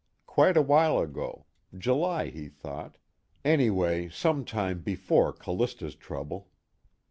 Quite a while ago July, he thought, anyway some time before Callista's trouble.